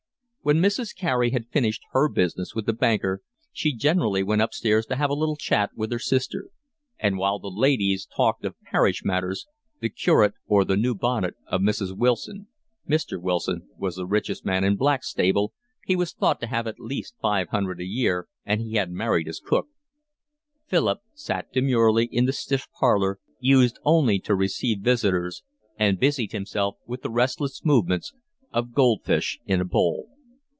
When Mrs. Carey had finished her business with the banker, she generally went upstairs to have a little chat with his sister; and while the ladies talked of parish matters, the curate or the new bonnet of Mrs. Wilson—Mr. Wilson was the richest man in Blackstable, he was thought to have at least five hundred a year, and he had married his cook—Philip sat demurely in the stiff parlour, used only to receive visitors, and busied himself with the restless movements of goldfish in a bowl.